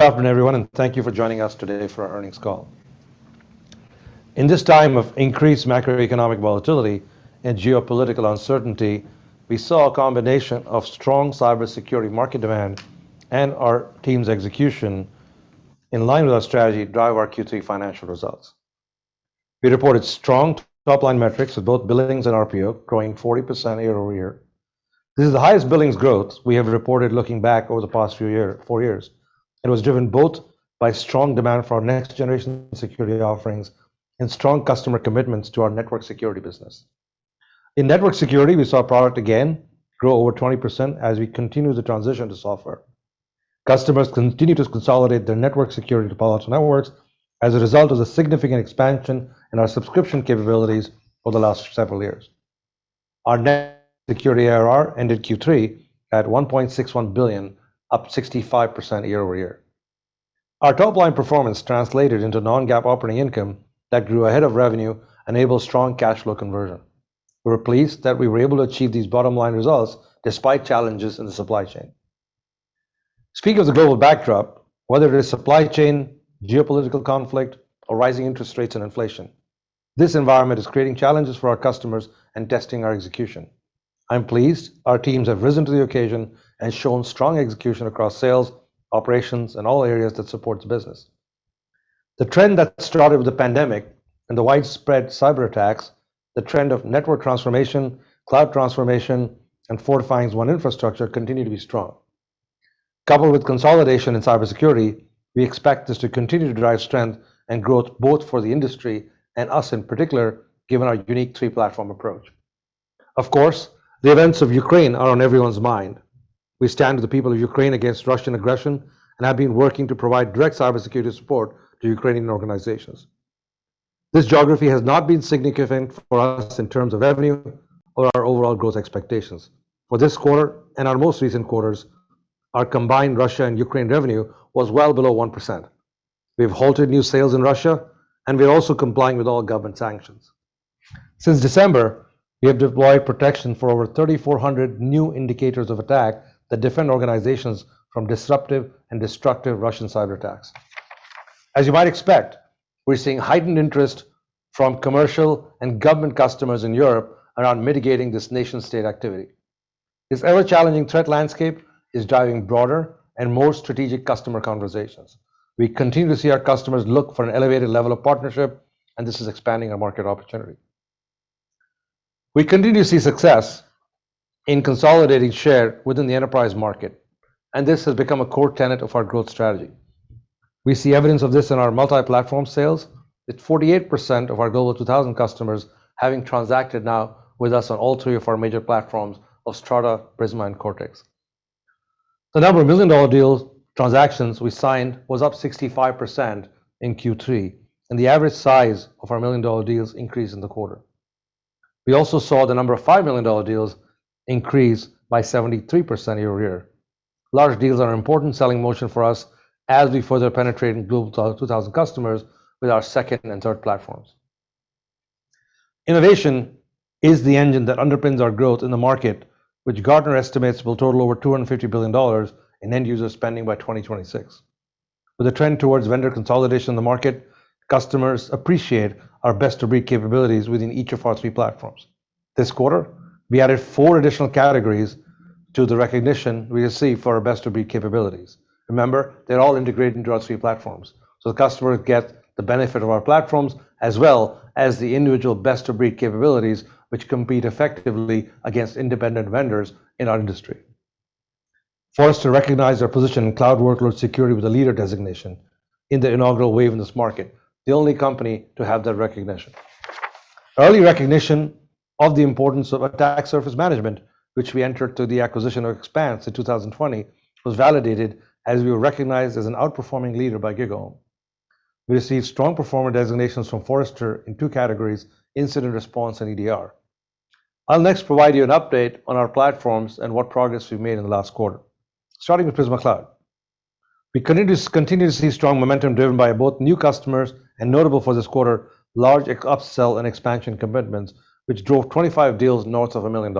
Good afternoon, everyone, and thank you for joining us today for our earnings call. In this time of increased macroeconomic volatility and geopolitical uncertainty, we saw a combination of strong cybersecurity market demand and our team's execution in line with our strategy to drive our Q3 financial results. We reported strong top-line metrics with both billings and RPO growing 40% year-over-year. This is the highest billings growth we have reported looking back over the past four years. It was driven both by strong demand for our next-generation security offerings and strong customer commitments to our network security business. In network security, we saw product revenue grow over 20% as we continue to transition to software. Customers continue to consolidate their network security to Palo Alto Networks as a result of the significant expansion in our subscription capabilities over the last several years. Our NGS ARR ended Q3 at $1.61 billion, up 65% year-over-year. Our top-line performance translated into non-GAAP operating income that grew ahead of revenue, enabled strong cash flow conversion. We're pleased that we were able to achieve these bottom-line results despite challenges in the supply chain. Speaking of the global backdrop, whether it is supply chain, geopolitical conflict, or rising interest rates and inflation, this environment is creating challenges for our customers and testing our execution. I'm pleased our teams have risen to the occasion and shown strong execution across sales, operations, and all areas that supports business. The trend that started with the pandemic and the widespread cyberattacks, the trend of network transformation, cloud transformation, and fortifying our infrastructure continue to be strong. Coupled with consolidation in cybersecurity, we expect this to continue to drive strength and growth both for the industry and us in particular, given our unique three-platform approach. Of course, the events of Ukraine are on everyone's mind. We stand with the people of Ukraine against Russian aggression and have been working to provide direct cybersecurity support to Ukrainian organizations. This geography has not been significant for us in terms of revenue or our overall growth expectations. For this quarter and our most recent quarters, our combined Russia and Ukraine revenue was well below 1%. We have halted new sales in Russia, and we are also complying with all government sanctions. Since December, we have deployed protection for over 3,400 new indicators of attack that defend organizations from disruptive and destructive Russian cyberattacks. As you might expect, we're seeing heightened interest from commercial and government customers in Europe around mitigating this nation state activity. This ever challenging threat landscape is driving broader and more strategic customer conversations. We continue to see our customers look for an elevated level of partnership, and this is expanding our market opportunity. We continue to see success in consolidating share within the enterprise market, and this has become a core tenet of our growth strategy. We see evidence of this in our multi-platform sales, with 48% of our Global 2000 customers having transacted now with us on all three of our major platforms of Strata, Prisma, and Cortex. The number of million-dollar deals, transactions we signed was up 65% in Q3, and the average size of our million-dollar deals increased in the quarter. We also saw the number of $5 million deals increase by 73% year-over-year. Large deals are an important selling motion for us as we further penetrate Global 2000 customers with our second and third platforms. Innovation is the engine that underpins our growth in the market, which Gartner estimates will total over $250 billion in end user spending by 2026. With the trend towards vendor consolidation in the market, customers appreciate our best-of-breed capabilities within each of our three platforms. This quarter, we added four additional categories to the recognition we receive for our best-of-breed capabilities. Remember, they're all integrated into our three platforms, so the customers get the benefit of our platforms as well as the individual best-of-breed capabilities which compete effectively against independent vendors in our industry. Forrester recognized our position in cloud workload security with a leader designation in the inaugural wave in this market, the only company to have that recognition. Early recognition of the importance of attack surface management, which we entered through the acquisition of Expanse in 2020, was validated as we were recognized as an outperforming leader by GigaOm. We received strong performer designations from Forrester in two categories, incident response and EDR. I'll next provide you an update on our platforms and what progress we've made in the last quarter. Starting with Prisma Cloud. We continue to see strong momentum driven by both new customers and notable for this quarter, large upsell and expansion commitments which drove 25 deals north of $1 million.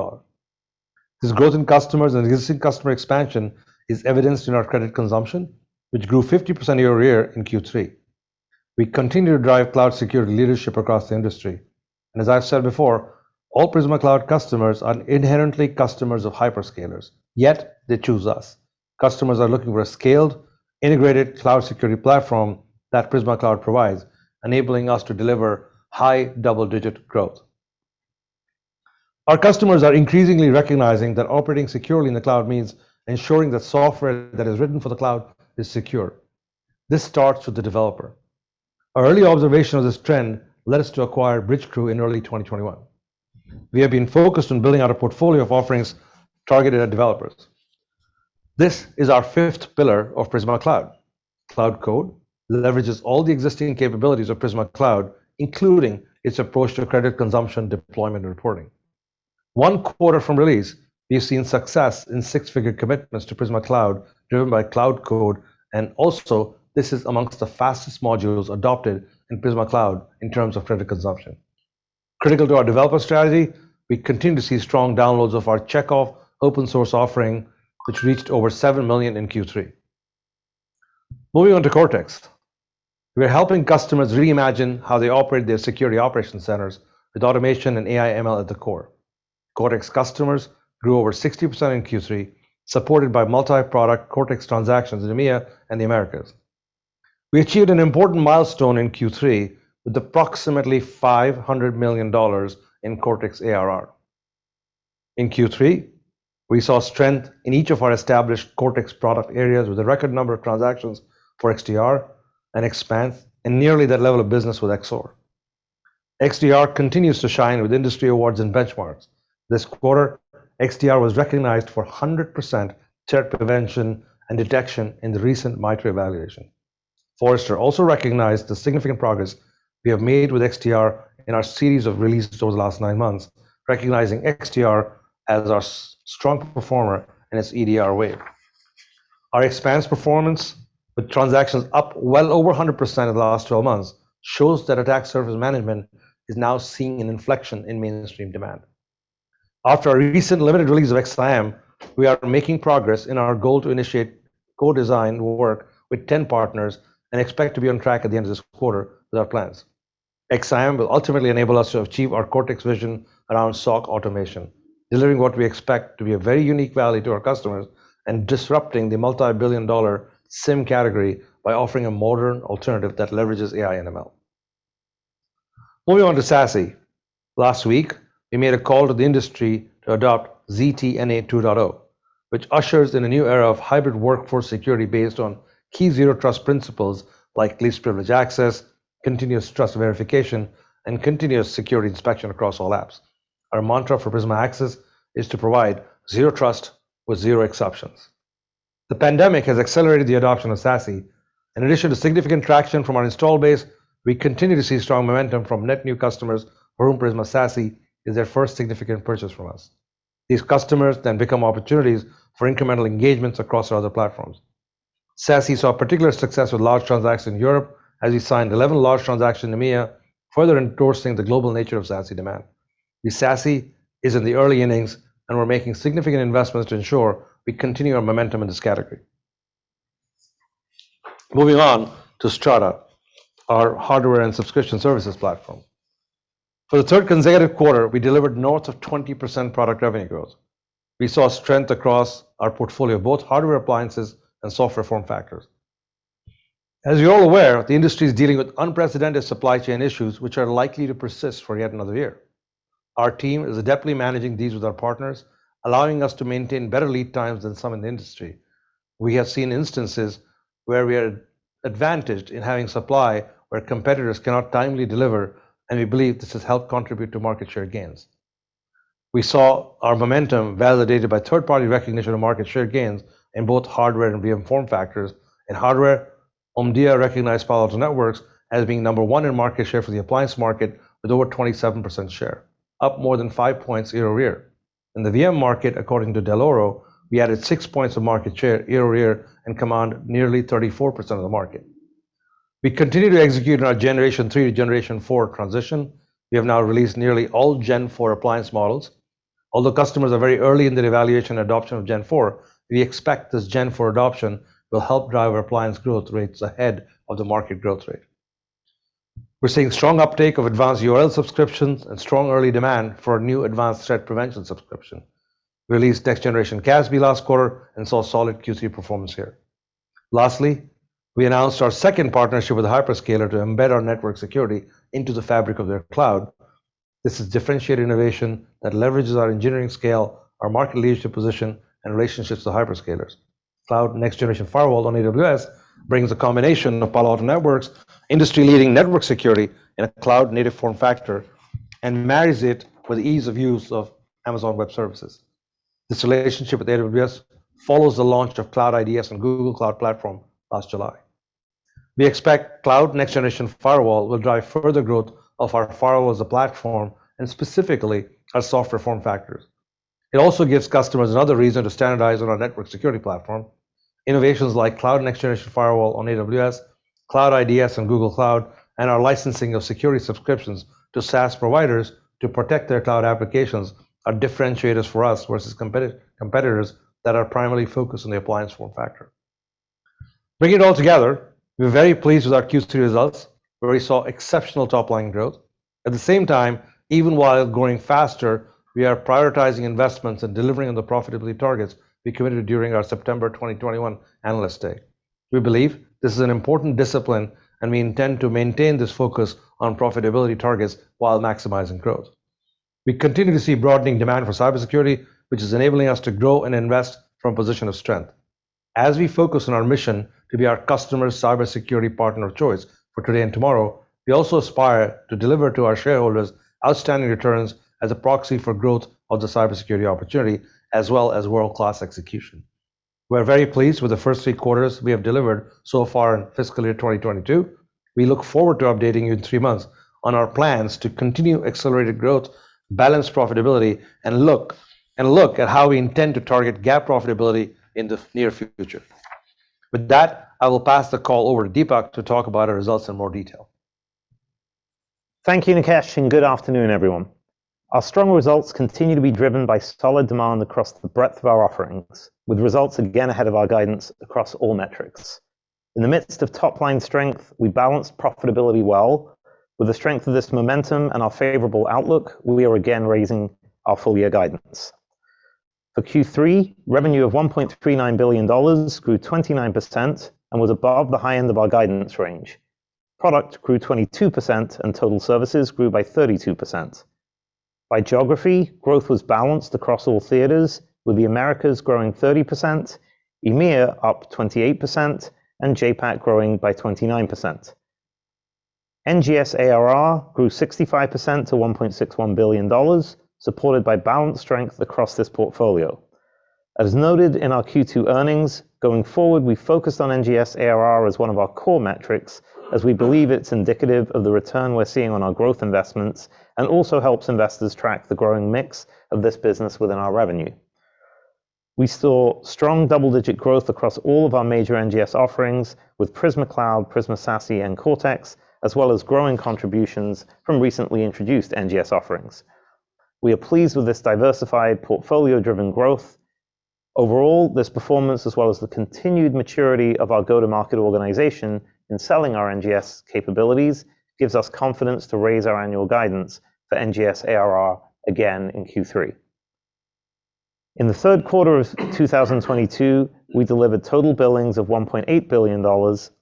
This growth in customers and existing customer expansion is evidenced in our credit consumption, which grew 50% year-over-year in Q3. We continue to drive cloud security leadership across the industry. As I've said before, all Prisma Cloud customers are inherently customers of hyperscalers, yet they choose us. Customers are looking for a scaled, integrated cloud security platform that Prisma Cloud provides, enabling us to deliver high double-digit growth. Our customers are increasingly recognizing that operating securely in the cloud means ensuring that software that is written for the cloud is secure. This starts with the developer. Our early observation of this trend led us to acquire Bridgecrew in early 2021. We have been focused on building out a portfolio of offerings targeted at developers. This is our fifth pillar of Prisma Cloud. Cloud Code leverages all the existing capabilities of Prisma Cloud, including its approach to credit consumption, deployment, and reporting. One quarter from release, we have seen success in six-figure commitments to Prisma Cloud driven by Cloud Code, and also this is among the fastest modules adopted in Prisma Cloud in terms of credit consumption. Critical to our developer strategy, we continue to see strong downloads of our Checkov open-source offering, which reached over 7 million in Q3. Moving on to Cortex. We are helping customers reimagine how they operate their security operation centers with automation and AI ML at the core. Cortex customers grew over 60% in Q3, supported by multi-product Cortex transactions in EMEA and the Americas. We achieved an important milestone in Q3 with approximately $500 million in Cortex ARR. In Q3, we saw strength in each of our established Cortex product areas with a record number of transactions for XDR and Xpanse, and nearly that level of business with XSOAR. XDR continues to shine with industry awards and benchmarks. This quarter, XDR was recognized for 100% threat prevention and detection in the recent MITRE evaluation. Forrester also recognized the significant progress we have made with XDR in our series of releases over the last nine months, recognizing XDR as a strong performer in its EDR wave. Our Xpanse performance with transactions up well over 100% in the last 12 months shows that attack surface management is now seeing an inflection in mainstream demand. After our recent limited release of XSIAM, we are making progress in our goal to initiate co-design work with 10 partners and expect to be on track at the end of this quarter with our plans. XSIAM will ultimately enable us to achieve our Cortex vision around SOC automation, delivering what we expect to be a very unique value to our customers and disrupting the multi-billion-dollar SIEM category by offering a modern alternative that leverages AI and ML. Moving on to SASE. Last week, we made a call to the industry to adopt ZTNA 2.0, which ushers in a new era of hybrid workforce security based on key zero trust principles like least privileged access, continuous trust verification, and continuous security inspection across all apps. Our mantra for Prisma Access is to provide zero trust with zero exceptions. The pandemic has accelerated the adoption of SASE. In addition to significant traction from our install base, we continue to see strong momentum from net new customers for whom Prisma SASE is their first significant purchase from us. These customers then become opportunities for incremental engagements across our other platforms. SASE saw particular success with large transactions in Europe as we signed 11 large transactions in EMEA, further endorsing the global nature of SASE demand. The SASE is in the early innings, and we're making significant investments to ensure we continue our momentum in this category. Moving on to Strata, our hardware and subscription services platform. For the third consecutive quarter, we delivered north of 20% product revenue growth. We saw strength across our portfolio, both hardware appliances and software form factors. As you're aware, the industry is dealing with unprecedented supply chain issues, which are likely to persist for yet another year. Our team is adeptly managing these with our partners, allowing us to maintain better lead times than some in the industry. We have seen instances where we are advantaged in having supply where competitors cannot timely deliver, and we believe this has helped contribute to market share gains. We saw our momentum validated by third-party recognition of market share gains in both hardware and VM form factors. In hardware, Omdia recognized Palo Alto Networks as being number one in market share for the appliance market with over 27% share, up more than five points year-over-year. In the VM market, according to Dell'Oro, we added six points of market share year-over-year and command nearly 34% of the market. We continue to execute on our generation three to generation four transition. We have now released nearly all Gen 4 appliance models. Although customers are very early in their evaluation and adoption of Gen 4, we expect this gen four adoption will help drive our appliance growth rates ahead of the market growth rate. We're seeing strong uptake of advanced URL subscriptions and strong early demand for a new advanced threat prevention subscription. We released next-generation CASB last quarter and saw solid Q3 performance here. Lastly, we announced our second partnership with a hyperscaler to embed our network security into the fabric of their cloud. This is differentiated innovation that leverages our engineering scale, our market leadership position, and relationships with hyperscalers. Cloud Next-Generation Firewall on AWS brings a combination of Palo Alto Networks' industry-leading network security in a cloud-native form factor and marries it with ease of use of Amazon Web Services. This relationship with AWS follows the launch of Cloud IDS on Google Cloud Platform last July. We expect Cloud Next-Generation Firewall will drive further growth of our firewall as a platform and specifically our software form factors. It also gives customers another reason to standardize on our network security platform. Innovations like Cloud Next-Generation Firewall on AWS, Cloud IDS on Google Cloud, and our licensing of security subscriptions to SaaS providers to protect their cloud applications are differentiators for us versus competitors that are primarily focused on the appliance form factor. Bringing it all together, we're very pleased with our Q3 results, where we saw exceptional top-line growth. At the same time, even while growing faster, we are prioritizing investments and delivering on the profitability targets we committed during our September 2021 Analyst Day. We believe this is an important discipline, and we intend to maintain this focus on profitability targets while maximizing growth. We continue to see broadening demand for cybersecurity, which is enabling us to grow and invest from a position of strength. As we focus on our mission to be our customers' cybersecurity partner of choice for today and tomorrow, we also aspire to deliver to our shareholders outstanding returns as a proxy for growth of the cybersecurity opportunity as well as world-class execution. We're very pleased with the first three quarters we have delivered so far in fiscal year 2022. We look forward to updating you in three months on our plans to continue accelerated growth, balanced profitability, and look at how we intend to target GAAP profitability in the near future. With that, I will pass the call over to Dipak to talk about our results in more detail. Thank you, Nikesh, and good afternoon, everyone. Our strong results continue to be driven by solid demand across the breadth of our offerings, with results again ahead of our guidance across all metrics. In the midst of top-line strength, we balanced profitability well. With the strength of this momentum and our favorable outlook, we are again raising our full year guidance. For Q3, revenue of $1.39 billion grew 29% and was above the high end of our guidance range. Product grew 22% and total services grew by 32%. By geography, growth was balanced across all theaters with the Americas growing 30%, EMEA up 28%, and JPAC growing by 29%. NGS ARR grew 65% to $1.61 billion, supported by balanced strength across this portfolio. As noted in our Q2 earnings, going forward, we focused on NGS ARR as one of our core metrics as we believe it's indicative of the return we're seeing on our growth investments and also helps investors track the growing mix of this business within our revenue. We saw strong double-digit growth across all of our major NGS offerings with Prisma Cloud, Prisma SASE, and Cortex, as well as growing contributions from recently introduced NGS offerings. We are pleased with this diversified portfolio-driven growth. Overall, this performance, as well as the continued maturity of our go-to-market organization in selling our NGS capabilities, gives us confidence to raise our annual guidance for NGS ARR again in Q3. In the third quarter of 2022, we delivered total billings of $1.8 billion,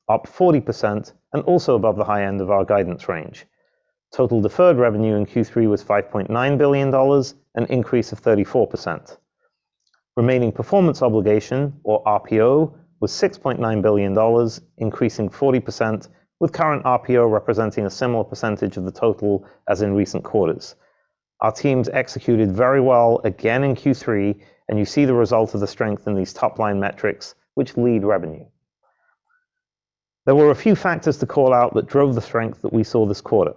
up 40% and also above the high end of our guidance range. Total deferred revenue in Q3 was $5.9 billion, an increase of 34%. Remaining performance obligation or RPO was $6.9 billion, increasing 40% with current RPO representing a similar percentage of the total as in recent quarters. Our teams executed very well again in Q3, and you see the result of the strength in these top-line metrics which lead revenue. There were a few factors to call out that drove the strength that we saw this quarter.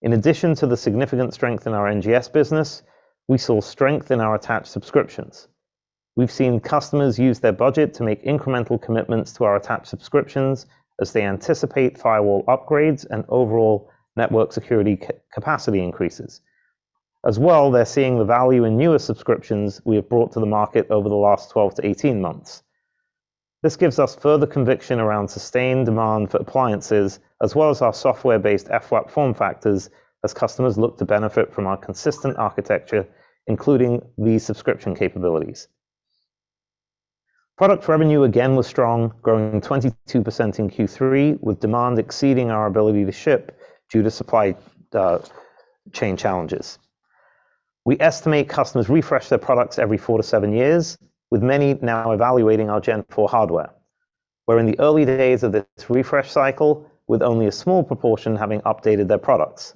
In addition to the significant strength in our NGS business, we saw strength in our attached subscriptions. We've seen customers use their budget to make incremental commitments to our attached subscriptions as they anticipate firewall upgrades and overall network security capacity increases. As well, they're seeing the value in newer subscriptions we have brought to the market over the last 12-18 months. This gives us further conviction around sustained demand for appliances as well as our software-based FWAP form factors as customers look to benefit from our consistent architecture, including these subscription capabilities. Product revenue again was strong, growing 22% in Q3, with demand exceeding our ability to ship due to supply chain challenges. We estimate customers refresh their products every four to seven years, with many now evaluating our Gen 4 hardware. We're in the early days of this refresh cycle, with only a small proportion having updated their products.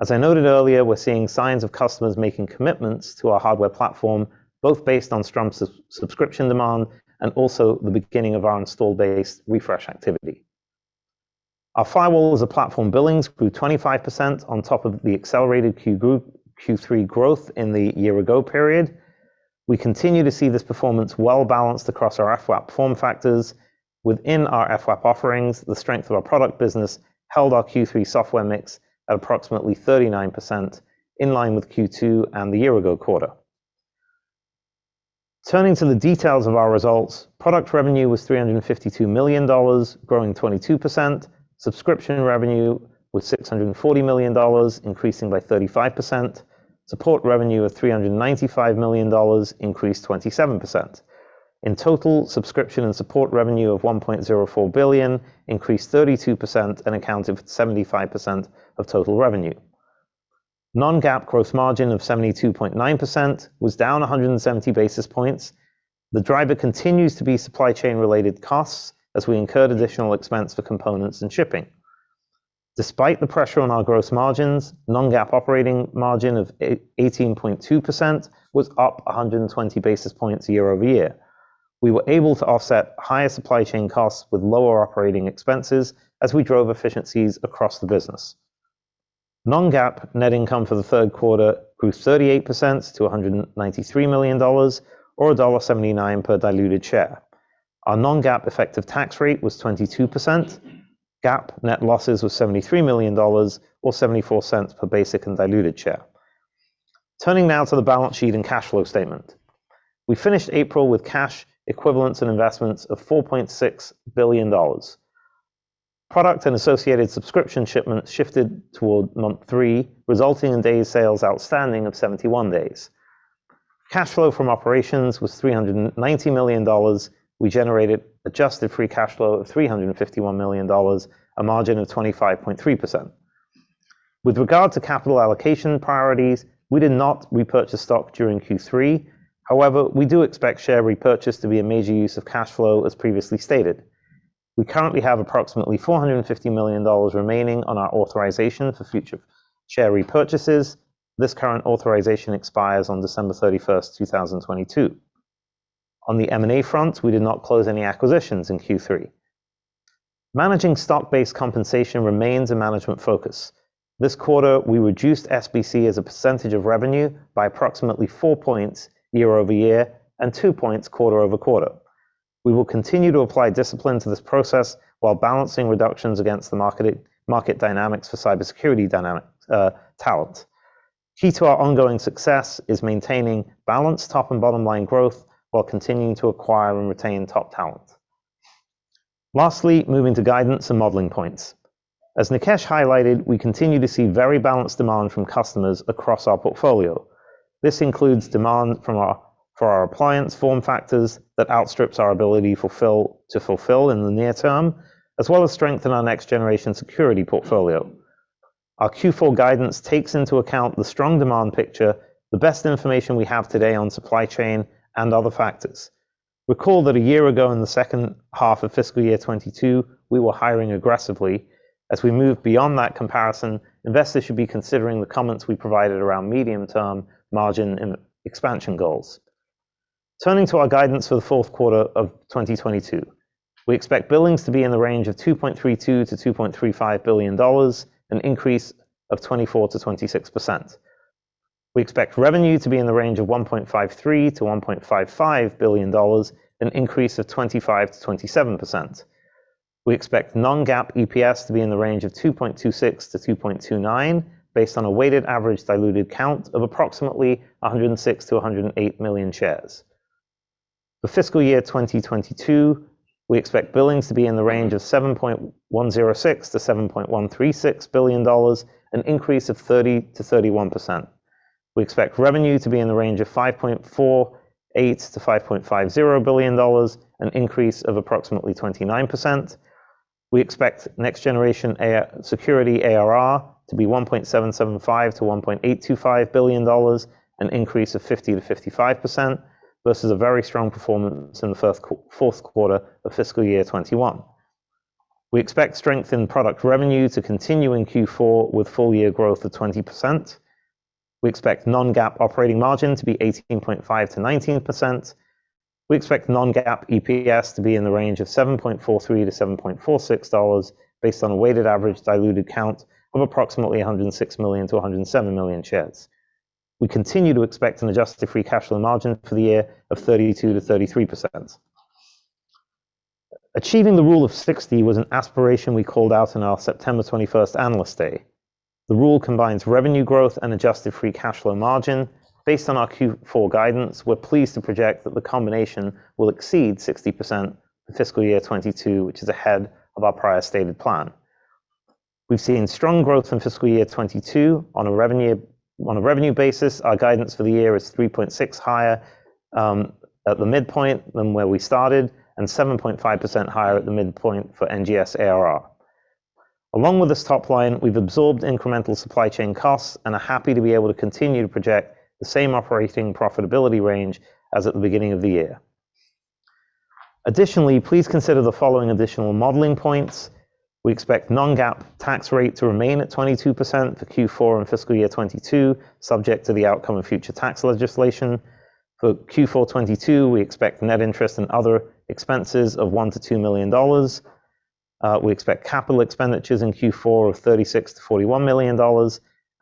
As I noted earlier, we're seeing signs of customers making commitments to our hardware platform, both based on strong subscription demand and also the beginning of our installed-base refresh activity. Our firewall as a platform billings grew 25% on top of the accelerated Q3 growth in the year ago period. We continue to see this performance well-balanced across our FWAP form factors. Within our FWAP offerings, the strength of our product business held our Q3 software mix at approximately 39% in line with Q2 and the year ago quarter. Turning to the details of our results, product revenue was $352 million, growing 22%. Subscription revenue was $640 million, increasing by 35%. Support revenue of $395 million increased 27%. In total, subscription and support revenue of $1.04 billion increased 32% and accounted for 75% of total revenue. Non-GAAP gross margin of 72.9% was down 170 basis points. The driver continues to be supply chain-related costs as we incurred additional expense for components and shipping. Despite the pressure on our gross margins, non-GAAP operating margin of 18.2% was up 120 basis points year-over-year. We were able to offset higher supply chain costs with lower operating expenses as we drove efficiencies across the business. Non-GAAP net income for the third quarter grew 38% to $193 million or $1.79 per diluted share. Our non-GAAP effective tax rate was 22%. GAAP net losses was $73 million or $0.74 per basic and diluted share. Turning now to the balance sheet and cash flow statement. We finished April with cash equivalents and investments of $4.6 billion. Product and associated subscription shipments shifted toward month three, resulting in days sales outstanding of 71 days. Cash flow from operations was $390 million. We generated adjusted free cash flow of $351 million, a margin of 25.3%. With regard to capital allocation priorities, we did not repurchase stock during Q3. However, we do expect share repurchase to be a major use of cash flow, as previously stated. We currently have approximately $450 million remaining on our authorization for future share repurchases. This current authorization expires on December 31st, 2022. On the M&A front, we did not close any acquisitions in Q3. Managing stock-based compensation remains a management focus. This quarter, we reduced SBC as a percentage of revenue by approximately four points year over year and two points quarter over quarter. We will continue to apply discipline to this process while balancing reductions against the market dynamics for cybersecurity talent. Key to our ongoing success is maintaining balanced top and bottom line growth while continuing to acquire and retain top talent. Lastly, moving to guidance and modeling points. As Nikesh highlighted, we continue to see very balanced demand from customers across our portfolio. This includes demand for our appliance form factors that outstrips our ability to fulfill in the near term, as well as strength in our next-generation security portfolio. Our Q4 guidance takes into account the strong demand picture, the best information we have today on supply chain and other factors. Recall that a year ago in the second half of fiscal year 2022, we were hiring aggressively. As we move beyond that comparison, investors should be considering the comments we provided around medium-term margin and expansion goals. Turning to our guidance for the fourth quarter of 2022, we expect billings to be in the range of $2.32 billion-$2.35 billion, an increase of 24%-26%. We expect revenue to be in the range of $1.53 billion-$1.55 billion, an increase of 25%-27%. We expect non-GAAP EPS to be in the range of 2.26-2.29 based on a weighted average diluted count of approximately 106 million-108 million shares. For fiscal year 2022, we expect billings to be in the range of $7.106 billion-$7.136 billion, an increase of 30%-31%. We expect revenue to be in the range of $5.48 billion-$5.50 billion, an increase of approximately 29%. We expect next generation NGS security ARR to be $1.775 billion-$1.825 billion, an increase of 50%-55%. This is a very strong performance in the fourth quarter of fiscal year 2021. We expect strength in product revenue to continue in Q4 with full year growth of 20%. We expect non-GAAP operating margin to be 18.5%-19%. We expect non-GAAP EPS to be in the range of $7.43-$7.46 based on a weighted average diluted count of approximately 106 million-107 million shares. We continue to expect an adjusted free cash flow margin for the year of 32%-33%. Achieving the rule of 60 was an aspiration we called out in our September 21st Analyst Day. The rule combines revenue growth and adjusted free cash flow margin. Based on our Q4 guidance, we're pleased to project that the combination will exceed 60% for fiscal year 2022, which is ahead of our prior stated plan. We've seen strong growth in fiscal year 2022. On a revenue basis, our guidance for the year is 3.6% higher at the midpoint than where we started and 7.5% higher at the midpoint for NGS ARR. Along with this top line, we've absorbed incremental supply chain costs and are happy to be able to continue to project the same operating profitability range as at the beginning of the year. Additionally, please consider the following additional modeling points. We expect non-GAAP tax rate to remain at 22% for Q4 and fiscal year 2022, subject to the outcome of future tax legislation. For Q4 2022, we expect net interest and other expenses of $1 million-$2 million. We expect capital expenditures in Q4 of $36 million-$41 million,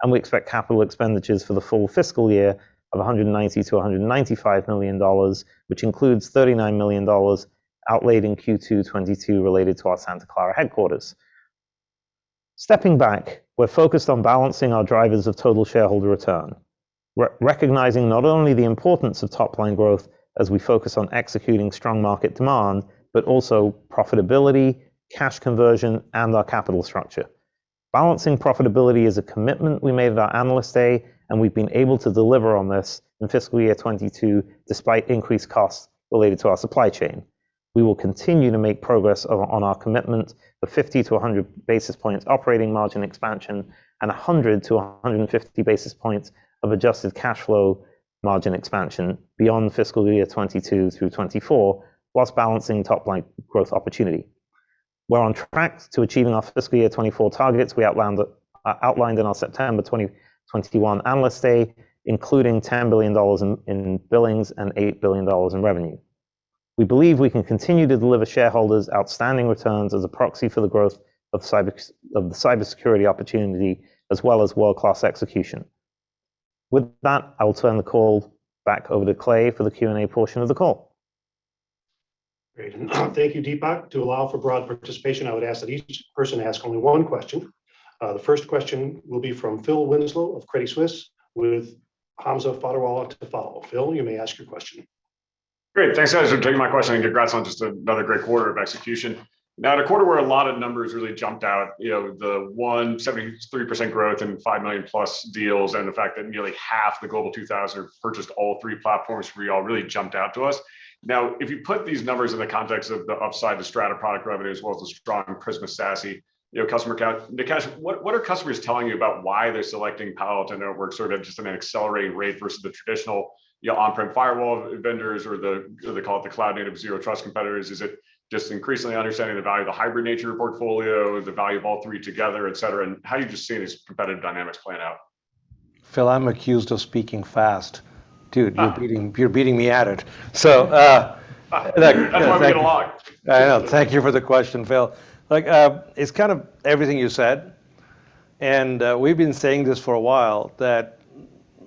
and we expect capital expenditures for the full fiscal year of $190 million-$195 million, which includes $39 million outlaid in Q2 2022 related to our Santa Clara headquarters. Stepping back, we're focused on balancing our drivers of total shareholder return. We're recognizing not only the importance of top-line growth as we focus on executing strong market demand, but also profitability, cash conversion, and our capital structure. Balancing profitability is a commitment we made at our Analyst Day, and we've been able to deliver on this in fiscal year 2022, despite increased costs related to our supply chain. We will continue to make progress on our commitment of 50-100 basis points operating margin expansion and 100-150 basis points of adjusted cash flow margin expansion beyond fiscal year 2022 through 2024, while balancing top-line growth opportunity. We're on track to achieving our fiscal year 2024 targets we outlined in our September 2021 Analyst Day, including $10 billion in billings and $8 billion in revenue. We believe we can continue to deliver shareholders outstanding returns as a proxy for the growth of cyber, of the cybersecurity opportunity as well as world-class execution. With that, I will turn the call back over to Clay for the Q and A portion of the call. Great, thank you, Dipak. To allow for broad participation, I would ask that each person ask only one question. The first question will be from Phil Winslow of Credit Suisse with Hamza Fodderwala to follow. Phil, you may ask your question. Great. Thanks, guys, for taking my question, and congrats on just another great quarter of execution. Now at a quarter where a lot of numbers really jumped out, you know, the 173% growth and 5 million+ deals and the fact that nearly half the Global 2000 purchased all three platforms for you all really jumped out to us. Now, if you put these numbers in the context of the upside to Strata product revenue as well as the strong Prisma SASE, you know, customer count, Nikesh, what are customers telling you about why they're selecting Palo Alto Networks sort of just at an accelerating rate versus the traditional, you know, on-prem firewall vendors or the, or they call it the cloud-native zero trust competitors? Is it just increasingly understanding the value of the hybrid nature of your portfolio, the value of all three together, et cetera? How are you just seeing these competitive dynamics play out? Phil, I'm accused of speaking fast. Dude. No You're beating me at it. Like, thank you. That's what I like. I know. Thank you for the question, Phil. Like, it's kind of everything you said, and, we've been saying this for a while, that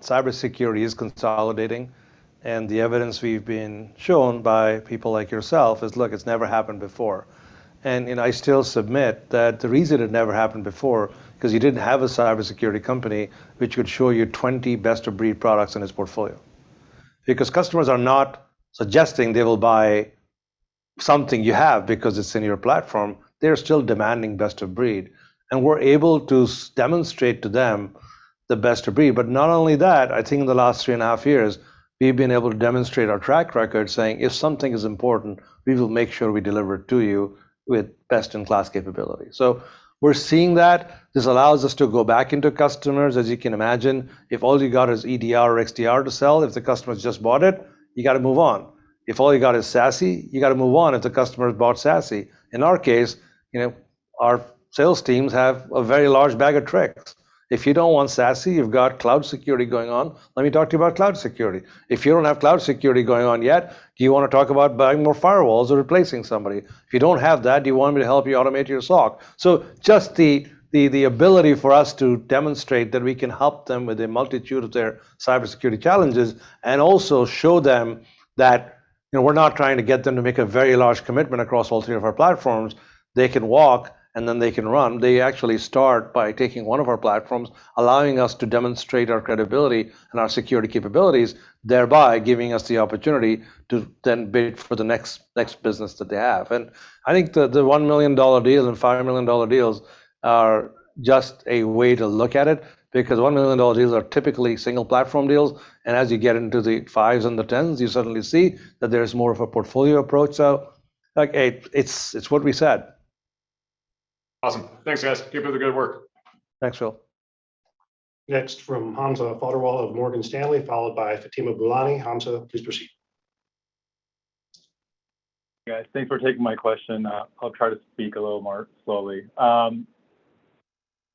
cybersecurity is consolidating. The evidence we've been shown by people like yourself is, look, it's never happened before. I still submit that the reason it never happened before, 'cause you didn't have a cybersecurity company which would show you 20 best-of-breed products in its portfolio. Because customers are not suggesting they will buy something you have because it's in your platform. They're still demanding best of breed. We're able to demonstrate to them the best of breed. Not only that, I think in the last three and a half years we've been able to demonstrate our track record saying, "If something is important, we will make sure we deliver it to you with best-in-class capability." We're seeing that. This allows us to go back into customers. As you can imagine, if all you got is EDR or XDR to sell, if the customer's just bought it, you gotta move on. If all you got is SASE, you gotta move on if the customer's bought SASE. In our case, you know, our sales teams have a very large bag of tricks. If you don't want SASE, you've got cloud security going on, "Let me talk to you about cloud security." "If you don't have cloud security going on yet, do you wanna talk about buying more firewalls or replacing somebody? If you don't have that, do you want me to help you automate your SOC?" Just the ability for us to demonstrate that we can help them with a multitude of their cybersecurity challenges and also show them that, you know, we're not trying to get them to make a very large commitment across all three of our platforms. They can walk and then they can run. They actually start by taking one of our platforms, allowing us to demonstrate our credibility and our security capabilities, thereby giving us the opportunity to then bid for the next business that they have. I think the $1 million deals and $5 million deals are just a way to look at it, because $1 million deals are typically single platform deals, and as you get into the five's and the 10s, you suddenly see that there's more of a portfolio approach. Like, it's what we said. Awesome. Thanks, guys. Keep up the good work. Thanks, Phil. Next from Hamza Fodderwala of Morgan Stanley, followed by Fatima Boolani. Hamza, please proceed. Guys, thanks for taking my question. I'll try to speak a little more slowly.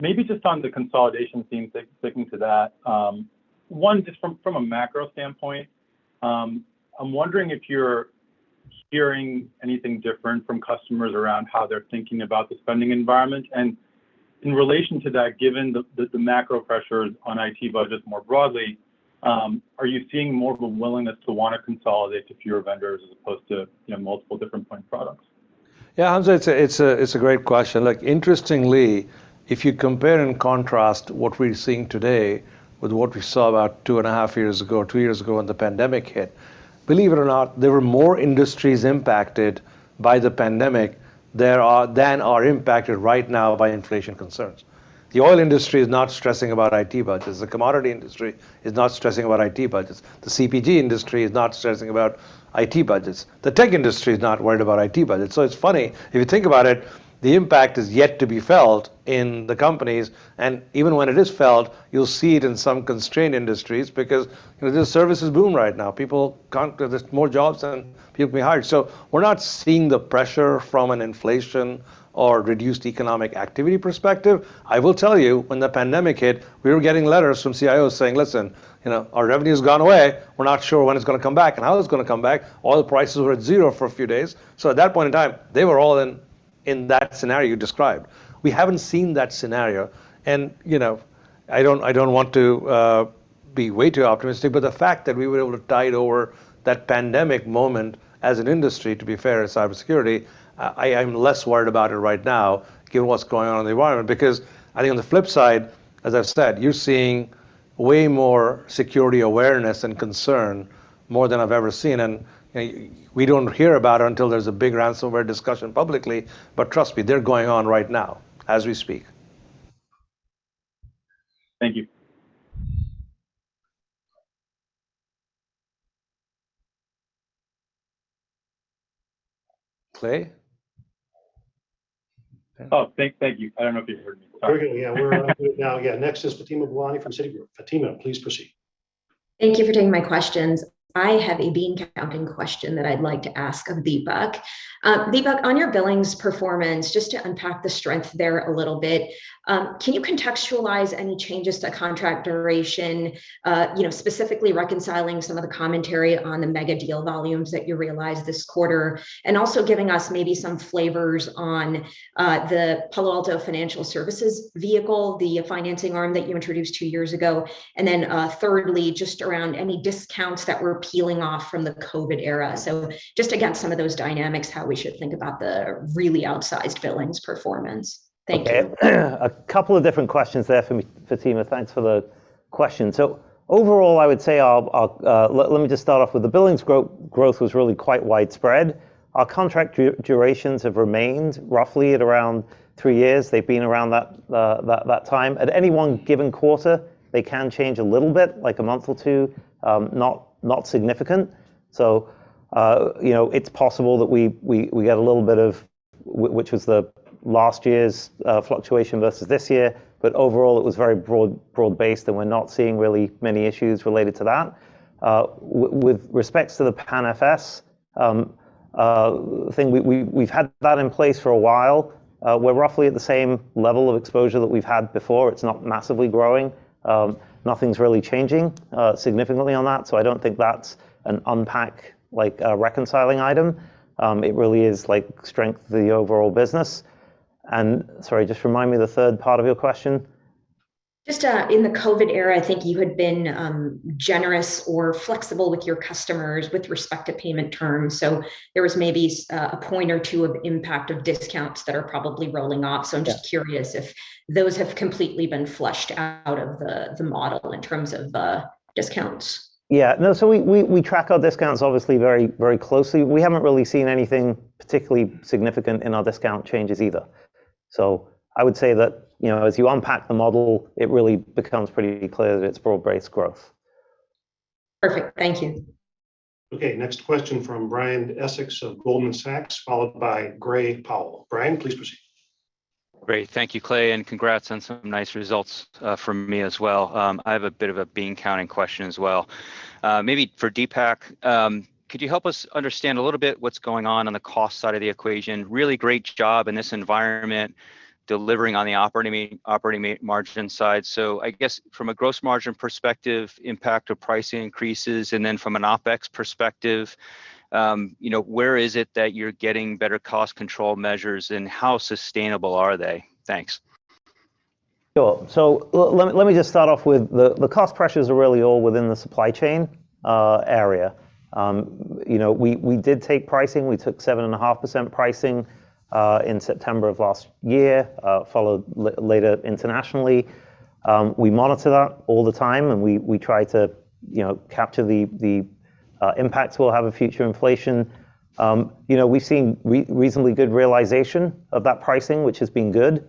Maybe just on the consolidation theme, sticking to that, just from a macro standpoint, I'm wondering if you're hearing anything different from customers around how they're thinking about the spending environment. In relation to that, given the macro pressures on IT budgets more broadly, are you seeing more of a willingness to wanna consolidate to fewer vendors as opposed to, you know, multiple different point products? Yeah, Hamza, it's a great question. Like, interestingly, if you compare and contrast what we're seeing today with what we saw about 2.5 years ago, two years ago when the pandemic hit, believe it or not, there were more industries impacted by the pandemic than there are, than are impacted right now by inflation concerns. The oil industry is not stressing about IT budgets. The commodity industry is not stressing about IT budgets. The CPG industry is not stressing about IT budgets. The tech industry is not worried about IT budgets. It's funny, if you think about it, the impact is yet to be felt in the companies, and even when it is felt, you'll see it in some constrained industries because, you know, there's a services boom right now. There's more jobs than people being hired. We're not seeing the pressure from an inflation or reduced economic activity perspective. I will tell you, when the pandemic hit, we were getting letters from CIOs saying, "Listen, you know, our revenue's gone away. We're not sure when it's gonna come back and how it's gonna come back." Oil prices were at zero for a few days. At that point in time, they were all in that scenario you described. We haven't seen that scenario, and, you know, I don't want to be way too optimistic, but the fact that we were able to tide over that pandemic moment as an industry, to be fair, in cybersecurity, I'm less worried about it right now given what's going on in the environment. Because I think on the flip side, as I've said, you're seeing way more security awareness and concern more than I've ever seen, and we don't hear about it until there's a big ransomware discussion publicly, but trust me, they're going on right now as we speak. Thank you. Clay? Oh, thank you. I don't know if you heard me. We're good. Yeah. We're on it now. Yeah. Next is Fatima Boolani from Citigroup. Fatima, please proceed. Thank you for taking my questions. I have a bean counting question that I'd like to ask of Dipak. Dipak, on your billings performance, just to unpack the strength there a little bit, can you contextualize any changes to contract duration? You know, specifically reconciling some of the commentary on the mega deal volumes that you realized this quarter, and also giving us maybe some flavors on the Palo Alto Networks Financial Services vehicle, the financing arm that you introduced two years ago. Thirdly, just around any discounts that we're peeling off from the COVID era. Just against some of those dynamics, how we should think about the really outsized billings performance. Thank you. Okay. A couple of different questions there, Fatima, thanks for the question. Overall, I would say, let me just start off with the billings growth was really quite widespread. Our contract durations have remained roughly at around three years. They've been around that time. At any one given quarter, they can change a little bit, like a month or two, not significant. You know, it's possible that we get a little bit of which was the last year's fluctuation versus this year. Overall, it was very broad based, and we're not seeing really many issues related to that. With respects to the PAN FS thing, we've had that in place for a while. We're roughly at the same level of exposure that we've had before. It's not massively growing. Nothing's really changing significantly on that, so I don't think that's an unpack, like a reconciling item. It really is like strength of the overall business. Sorry, just remind me the third part of your question. Just in the COVID era, I think you had been generous or flexible with your customers with respect to payment terms. There was maybe a point or two of impact of discounts that are probably rolling off. Yeah. I'm just curious if those have completely been flushed out of the model in terms of discounts? Yeah. No, so we track our discounts obviously very, very closely. We haven't really seen anything particularly significant in our discount changes either. I would say that, you know, as you unpack the model, it really becomes pretty clear that it's broad-based growth. Perfect. Thank you. Okay. Next question from Brian Essex of Goldman Sachs, followed by Gray Powell. Brian, please proceed. Great. Thank you, Clay, and congrats on some nice results from me as well. I have a bit of a bean counting question as well. Maybe for Dipak, could you help us understand a little bit what's going on on the cost side of the equation? Really great job in this environment delivering on the operating margin side. I guess from a gross margin perspective, impact of pricing increases, and then from an OpEx perspective, you know, where is it that you're getting better cost control measures, and how sustainable are they? Thanks. Sure. Let me just start off with the cost pressures are really all within the supply chain area. You know, we did take pricing. We took 7.5% pricing in September of last year, followed later internationally. We monitor that all the time, and we try to, you know, capture the impacts we'll have on future inflation. You know, we've seen reasonably good realization of that pricing, which has been good.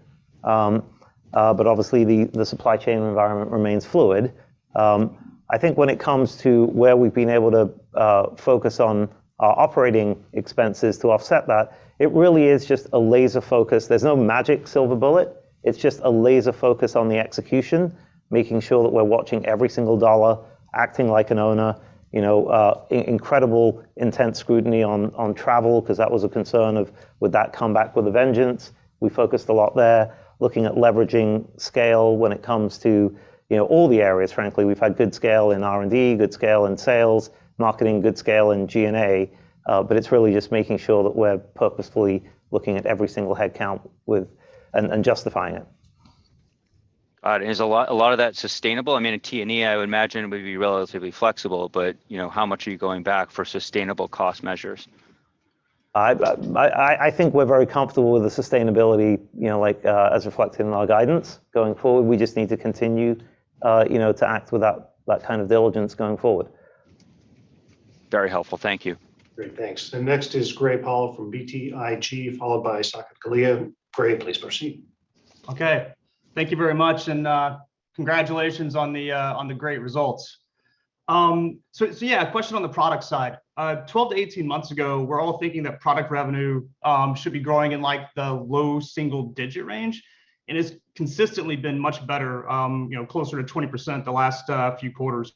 Obviously the supply chain environment remains fluid. I think when it comes to where we've been able to focus on our operating expenses to offset that, it really is just a laser focus. There's no magic silver bullet. It's just a laser focus on the execution, making sure that we're watching every single dollar, acting like an owner. You know, incredible intense scrutiny on travel 'cause that was a concern of would that come back with a vengeance. We focused a lot there looking at leveraging scale when it comes to, you know, all the areas, frankly. We've had good scale in R&D, good scale in sales, marketing, good scale in G&A, but it's really just making sure that we're purposefully looking at every single headcount and justifying it. Got it. Is a lot of that sustainable? I mean, in T&E, I would imagine it would be relatively flexible, but, you know, how much are you going back for sustainable cost measures? I think we're very comfortable with the sustainability, you know, like, as reflected in our guidance going forward. We just need to continue, you know, to act with that kind of diligence going forward. Very helpful. Thank you. Great. Thanks. Next is Gray Powell from BTIG, followed by Saket Kalia. Gray, please proceed. Okay. Thank you very much, and congratulations on the great results. Yeah, a question on the product side. 12-18 months ago, we're all thinking that product revenue should be growing in like the low single digit range, and it's consistently been much better, you know, closer to 20% the last few quarters.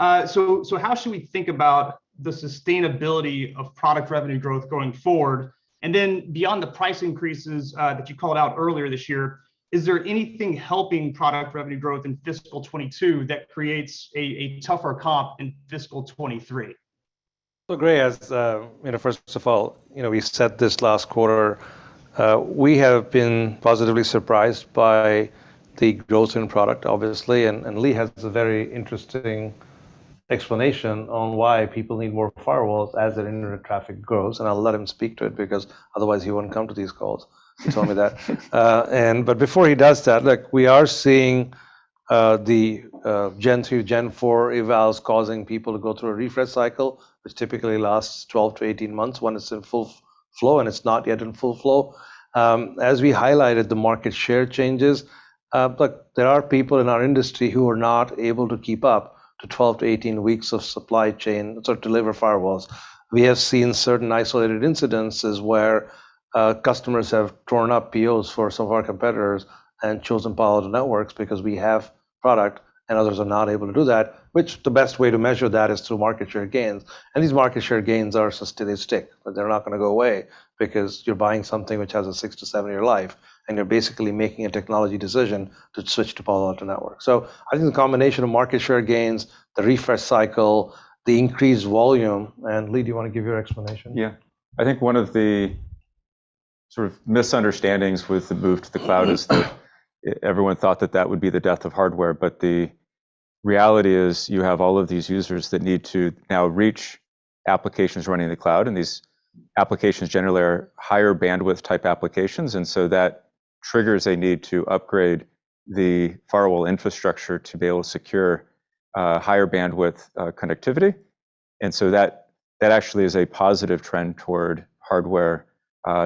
How should we think about the sustainability of product revenue growth going forward? And then beyond the price increases that you called out earlier this year, is there anything helping product revenue growth in fiscal 2022 that creates a tougher comp in fiscal 2023? Gray Powell, you know, first of all, you know, we said this last quarter, we have been positively surprised by the growth in product, obviously. Lee Klarich has a very interesting explanation on why people need more firewalls as their internet traffic grows, and I'll let him speak to it because otherwise he wouldn't come to these calls. He told me that. Before he does that, look, we are seeing the Gen 2, Gen 4 evals causing people to go through a refresh cycle, which typically lasts 12-18 months when it's in full flow, and it's not yet in full flow. We highlighted the market share changes, but there are people in our industry who are not able to keep up to 12-18 weeks of supply chain to deliver firewalls. We have seen certain isolated incidents where customers have torn up POs for some of our competitors and chosen Palo Alto Networks because we have product and others are not able to do that, which the best way to measure that is through market share gains. These market share gains are sticky, but they're not gonna go away because you're buying something which has a six to seven year life, and you're basically making a technology decision to switch to Palo Alto Networks. I think the combination of market share gains, the refresh cycle, the increased volume, and Lee, do you want to give your explanation? Yeah. I think one of the sort of misunderstandings with the move to the cloud is that everyone thought that that would be the death of hardware. The reality is you have all of these users that need to now reach applications running in the cloud, and these applications generally are higher bandwidth type applications. That triggers a need to upgrade the firewall infrastructure to be able to secure higher bandwidth connectivity. That actually is a positive trend toward hardware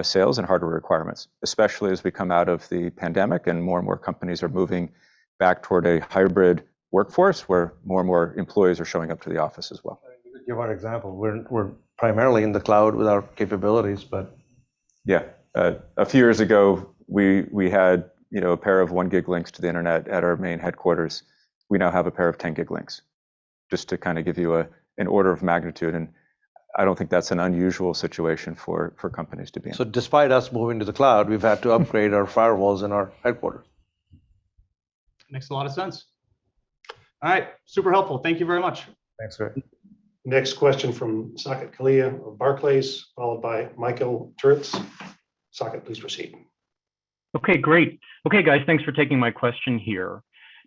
sales and hardware requirements, especially as we come out of the pandemic and more and more companies are moving back toward a hybrid workforce where more and more employees are showing up to the office as well. To give an example, we're primarily in the cloud with our capabilities, but Yeah. A few years ago, we had, you know, a pair of one gig links to the internet at our main headquarters. We now have a pair of 10 gig links, just to kind of give you an order of magnitude, and I don't think that's an unusual situation for companies to be in. despite us moving to the cloud, we've had to upgrade our firewalls in our headquarters. Makes a lot of sense. All right. Super helpful. Thank you very much. Thanks, Gray Powell. Next question from Saket Kalia of Barclays, followed by Michael Turits. Saket, please proceed. Okay, great. Okay, guys, thanks for taking my question here.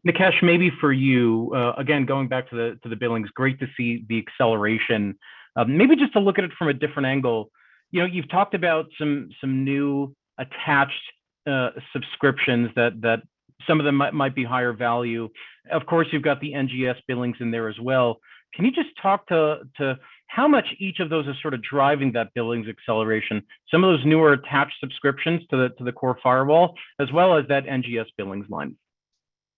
Nikesh, maybe for you, again, going back to the billings, great to see the acceleration. Maybe just to look at it from a different angle, you know, you've talked about some new attached subscriptions that some of them might be higher value. Of course, you've got the NGS billings in there as well. Can you just talk to how much each of those is sort of driving that billings acceleration, some of those newer attached subscriptions to the core firewall, as well as that NGS billings line?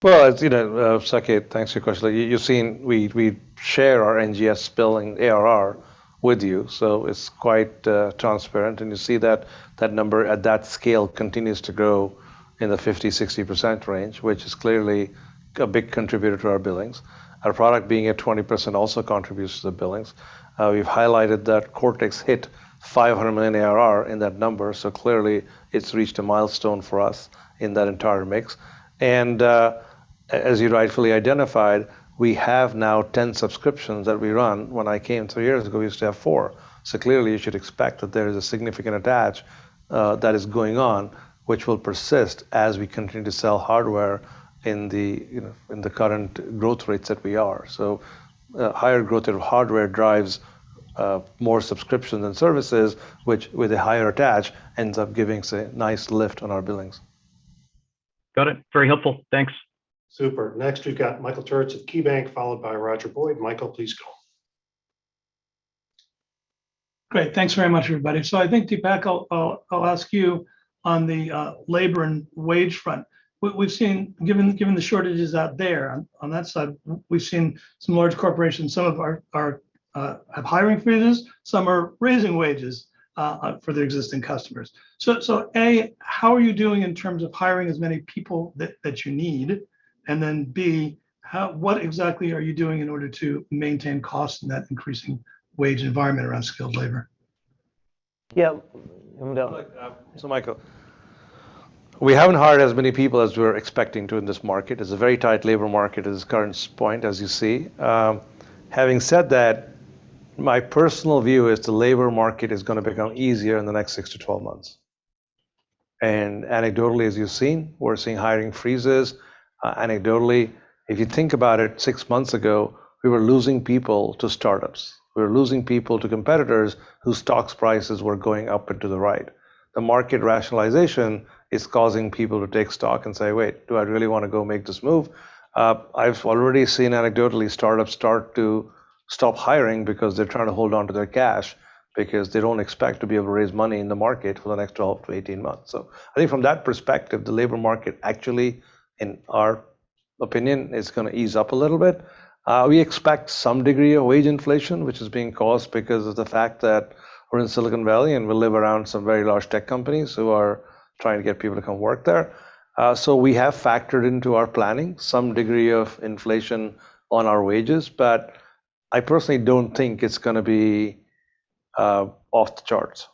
Well, as you know, Saket, thanks for your question. You've seen we share our NGS billing ARR with you, so it's quite transparent. You see that that number at that scale continues to grow in the 50%-60% range, which is clearly a big contributor to our billings. Our product being at 20% also contributes to the billings. We've highlighted that Cortex hit $500 million ARR in that number, so clearly it's reached a milestone for us in that entire mix. As you rightfully identified, we have now 10 subscriptions that we run. When I came two years ago, we used to have four. Clearly you should expect that there is a significant attach that is going on, which will persist as we continue to sell hardware in the current growth rates that we are. Higher growth of hardware drives more subscriptions and services, which with a higher attach ends up giving us a nice lift on our billings. Got it. Very helpful. Thanks. Super. Next, we've got Michael Turits of KeyBanc, followed by Saket Kalia. Michael, please go. Great. Thanks very much, everybody. I think, Dipak, I'll ask you on the labor and wage front. We've seen, given the shortages out there on that side, some large corporations, some have hiring freezes, some are raising wages for their existing employees. A, how are you doing in terms of hiring as many people that you need? B, what exactly are you doing in order to maintain cost in that increasing wage environment around skilled labor? Yeah. Michael, we haven't hired as many people as we were expecting to in this market. It's a very tight labor market as Karen's point, as you see. Having said that, my personal view is the labor market is gonna become easier in the next six to 12 months. Anecdotally, as you've seen, we're seeing hiring freezes. If you think about it, six months ago, we were losing people to startups. We were losing people to competitors whose stock prices were going up and to the right. The market rationalization is causing people to take stock and say, "Wait, do I really want to go make this move?" I've already seen anecdotally startups start to stop hiring because they're trying to hold on to their cash because they don't expect to be able to raise money in the market for the next 12 months-18 months. I think from that perspective, the labor market actually, in our opinion, is gonna ease up a little bit. We expect some degree of wage inflation, which is being caused because of the fact that we're in Silicon Valley and we live around some very large tech companies who are trying to get people to come work there. We have factored into our planning some degree of inflation on our wages, but I personally don't think it's gonna be off the charts.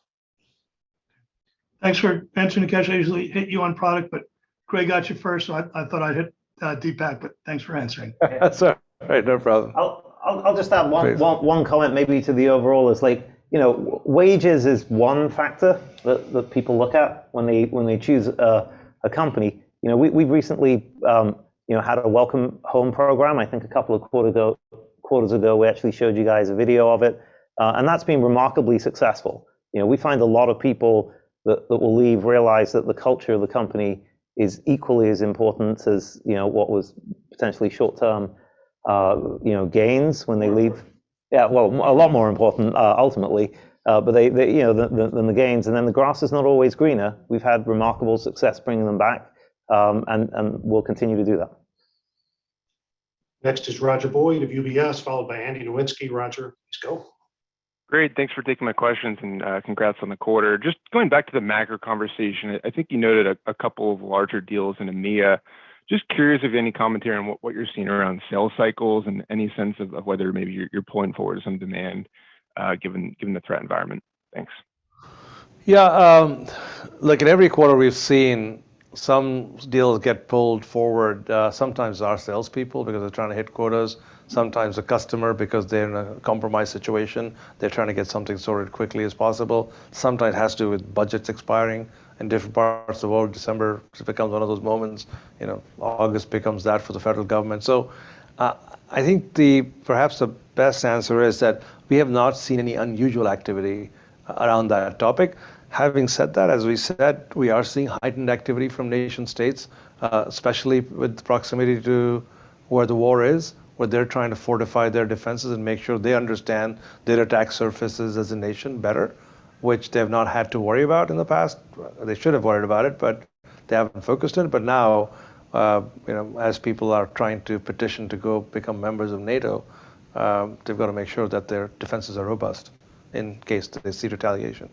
Thanks for answering, Nikesh. I usually hit you on product, but Gray got you first, so I thought I'd hit Dipak, but thanks for answering. That's all right. No problem. I'll just add one. Please One comment maybe to the overall is like, you know, wages is one factor that people look at when they choose a company. You know, we've recently had a welcome home program, I think a couple of quarters ago. We actually showed you guys a video of it. That's been remarkably successful. You know, we find a lot of people that will leave realize that the culture of the company is equally as important as, you know, what was potentially short-term gains when they leave. Yeah, well, a lot more important ultimately, but they, you know, than the gains and then the grass is not always greener. We've had remarkable success bringing them back, and we'll continue to do that. Next is Roger Boyd of UBS, followed by Andrew Nowinski. Saket, please go. Great. Thanks for taking my questions and congrats on the quarter. Just going back to the macro conversation, I think you noted a couple of larger deals in EMEA. Just curious if you have any commentary on what you're seeing around sales cycles and any sense of whether maybe you're pulling forward some demand, given the threat environment. Thanks. Yeah. Look, in every quarter we've seen some deals get pulled forward, sometimes our salespeople because they're trying to hit quotas, sometimes a customer because they're in a compromised situation, they're trying to get something sorted as quickly as possible. Sometimes it has to do with budgets expiring in different parts of the world. December becomes one of those moments, you know, August becomes that for the federal government. I think perhaps the best answer is that we have not seen any unusual activity around that topic. Having said that, as we said, we are seeing heightened activity from nation states, especially with the proximity to where the war is, where they're trying to fortify their defenses and make sure they understand their attack surfaces as a nation better, which they've not had to worry about in the past. They should have worried about it, but they haven't focused on it, but now, you know, as people are trying to petition to go become members of NATO, they've got to make sure that their defenses are robust in case they see retaliation.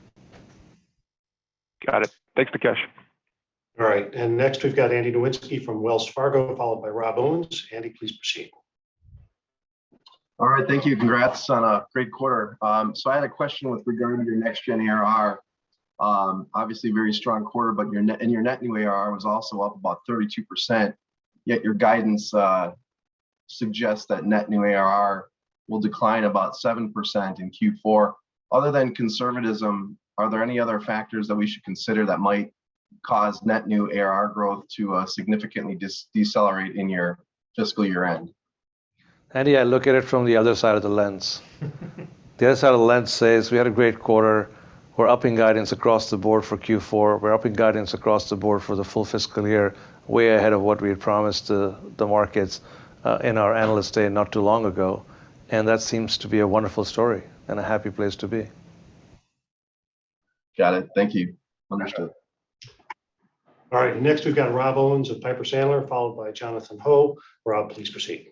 Got it. Thanks, Nikesh. All right. Next we've got Andrew Nowinski from Wells Fargo, followed by Rob Owens. Andy, please proceed. All right. Thank you. Congrats on a great quarter. I had a question with regard to your next-gen ARR. Obviously a very strong quarter, but your net new ARR was also up about 32%, yet your guidance suggests that net new ARR will decline about 7% in Q4. Other than conservatism, are there any other factors that we should consider that might cause net new ARR growth to significantly decelerate in your fiscal year-end? Andy, I look at it from the other side of the lens. The other side of the lens says we had a great quarter. We're upping guidance across the board for Q4. We're upping guidance across the board for the full fiscal year, way ahead of what we had promised the markets in our analyst day not too long ago. That seems to be a wonderful story and a happy place to be. Got it. Thank you. Understood. All right. Next we've got Rob Owens of Piper Sandler, followed by Jonathan Ho. Rob, please proceed.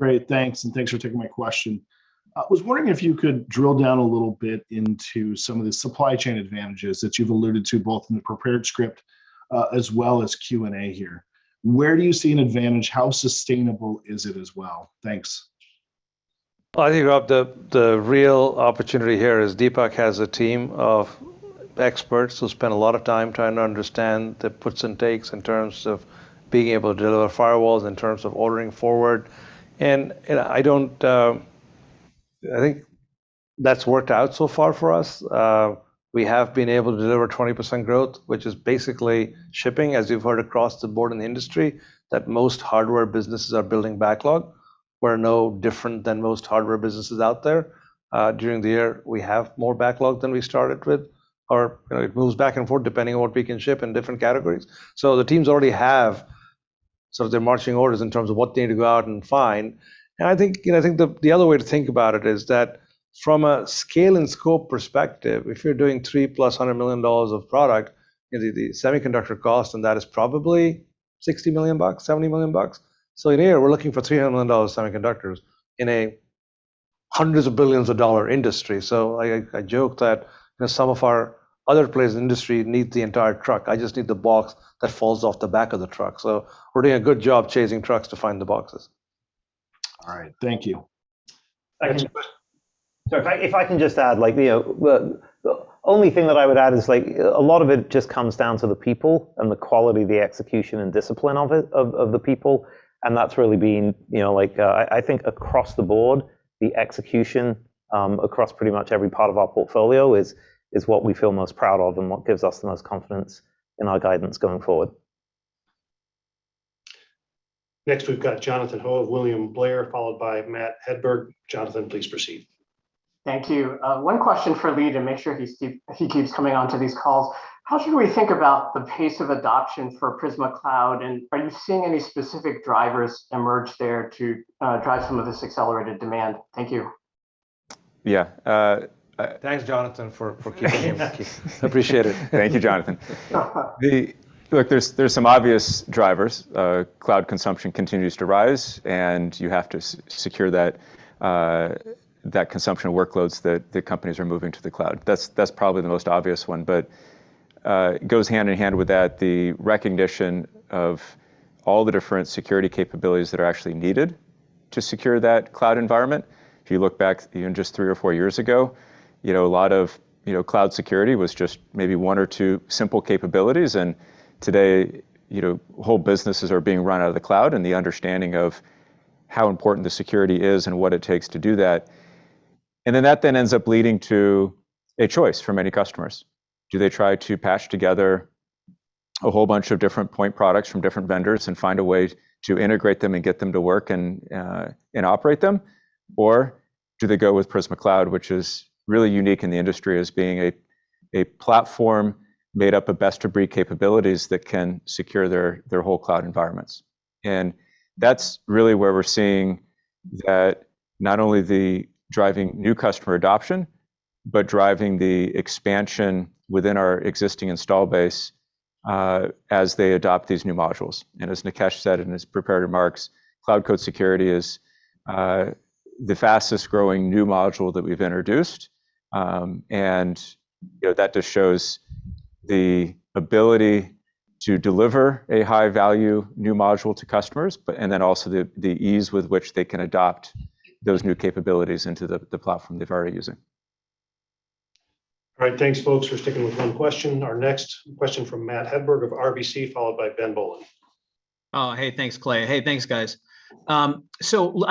Great, thanks, and thanks for taking my question. I was wondering if you could drill down a little bit into some of the supply chain advantages that you've alluded to, both in the prepared script, as well as Q and A here. Where do you see an advantage? How sustainable is it as well? Thanks. I think, Rob, the real opportunity here is Dipak has a team of experts who spend a lot of time trying to understand the puts and takes in terms of being able to deliver firewalls, in terms of ordering forward. I think that's worked out so far for us. We have been able to deliver 20% growth, which is basically shipping, as you've heard across the board in the industry, that most hardware businesses are building backlog. We're no different than most hardware businesses out there. During the year, we have more backlog than we started with. You know, it moves back and forth depending on what we can ship in different categories. The teams already have some of their marching orders in terms of what they need to go out and find. I think, you know, I think the other way to think about it is that from a scale and scope perspective, if you're doing $300 million of product, the semiconductor cost on that is probably $60 million bucks, $70 million bucks. In a year, we're looking for $300 million of semiconductors in a hundreds of billions of dollar industry. I joke that, you know, some of our other players in the industry need the entire truck. I just need the box that falls off the back of the truck. We're doing a good job chasing trucks to find the boxes. All right. Thank you. Next- Sorry, if I can just add, like, you know, the only thing that I would add is, like, a lot of it just comes down to the people and the quality of the execution and discipline of the people. That's really been, you know, like, I think across the board, the execution across pretty much every part of our portfolio is what we feel most proud of and what gives us the most confidence in our guidance going forward. Next we've got Jonathan Ho of William Blair, followed by Matt Hedberg. Jonathan, please proceed. Thank you. One question for Lee to make sure he keeps coming on to these calls. How should we think about the pace of adoption for Prisma Cloud, and are you seeing any specific drivers emerge there to drive some of this accelerated demand? Thank you. Yeah. Thanks, Jonathan, for keeping him. Appreciate it. Thank you, Jonathan. Look, there's some obvious drivers. Cloud consumption continues to rise, and you have to secure that consumption workloads that the companies are moving to the cloud. That's probably the most obvious one. But goes hand in hand with that, the recognition of all the different security capabilities that are actually needed to secure that cloud environment. If you look back even just three or four years ago, you know, a lot of, you know, cloud security was just maybe one or two simple capabilities. Today, you know, whole businesses are being run out of the cloud, and the understanding of how important the security is and what it takes to do that. Then that then ends up leading to a choice for many customers. Do they try to patch together a whole bunch of different point products from different vendors and find a way to integrate them and get them to work and operate them? Or do they go with Prisma Cloud, which is really unique in the industry as being a platform made up of best-of-breed capabilities that can secure their whole cloud environments? That's really where we're seeing that not only the driving new customer adoption, but driving the expansion within our existing install base, as they adopt these new modules. As Nikesh said in his prepared remarks, Cloud Code Security is the fastest growing new module that we've introduced. You know, that just shows the ability to deliver a high-value new module to customers, and then also the ease with which they can adopt those new capabilities into the platform they're already using. All right. Thanks, folks, for sticking with one question. Our next question from Matthew Hedberg of RBC, followed by Ben Bollin. Oh, hey, thanks, Clay. Hey, thanks, guys. I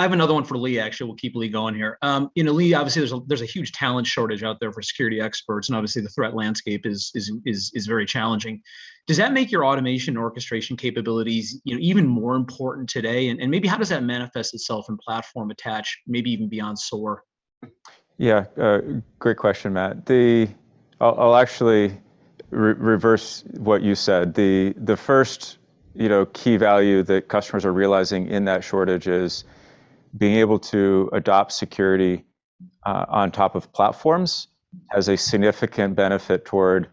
have another one for Lee, actually. We'll keep Lee going here. You know, Lee, obviously, there's a huge talent shortage out there for security experts, and obviously the threat landscape is very challenging. Does that make your automation orchestration capabilities, you know, even more important today? Maybe how does that manifest itself in platform attach, maybe even beyond SOAR? Yeah. Great question, Matt. I'll actually re-reverse what you said. The first, you know, key value that customers are realizing in that shortage is being able to adopt security. On top of platforms has a significant benefit toward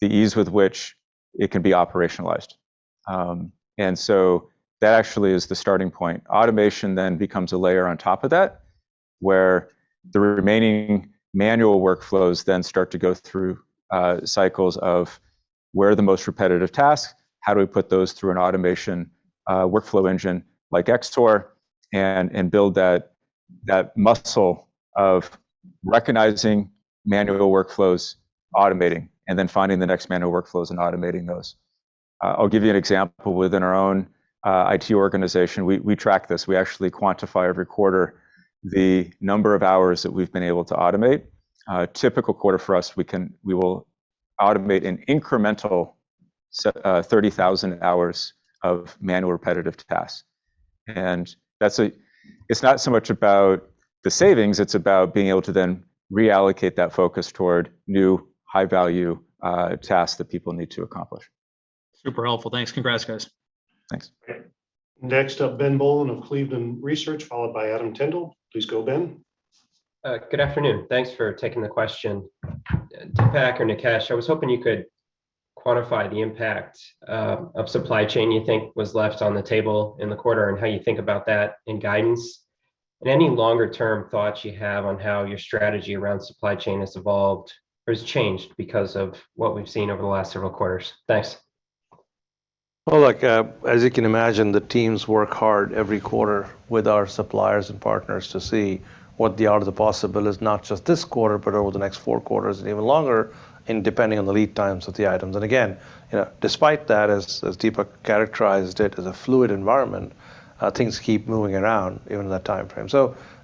the ease with which it can be operationalized. That actually is the starting point. Automation becomes a layer on top of that, where the remaining manual workflows start to go through cycles of where are the most repetitive tasks, how do we put those through an automation workflow engine like Cortex XSOAR and build that muscle of recognizing manual workflows, automating, and then finding the next manual workflows and automating those. I'll give you an example within our own IT organization. We track this. We actually quantify every quarter the number of hours that we've been able to automate. A typical quarter for us, we will automate an incremental 30,000 hours of manual repetitive tasks. That's a. It's not so much about the savings, it's about being able to then reallocate that focus toward new high-value, tasks that people need to accomplish. Super helpful. Thanks. Congrats, guys. Thanks. Okay. Next up, Ben Bollin of Cleveland Research, followed by Adam Tindle. Please go, Ben. Good afternoon. Thanks for taking the question. Dipak or Nikesh, I was hoping you could quantify the impact of supply chain you think was left on the table in the quarter, and how you think about that in guidance. Any longer-term thoughts you have on how your strategy around supply chain has evolved or has changed because of what we've seen over the last several quarters. Thanks. Well, look, as you can imagine, the teams work hard every quarter with our suppliers and partners to see what the art of the possible is, not just this quarter, but over the next four quarters and even longer, and depending on the lead times of the items. Again, you know, despite that, as Dipak characterized it, as a fluid environment, things keep moving around even in that timeframe.